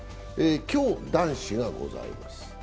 今日、男子がございます。